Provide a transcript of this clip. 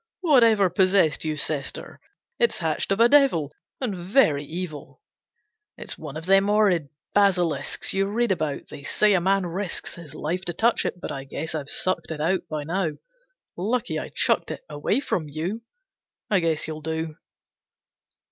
"Whatever possessed you, Sister, it's Hatched of a devil And very evil. It's one of them horrid basilisks You read about. They say a man risks His life to touch it, but I guess I've sucked it Out by now. Lucky I chucked it Away from you. I guess you'll do."